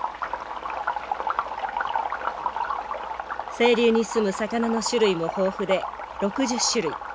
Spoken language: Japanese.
清流にすむ魚の種類も豊富で６０種類。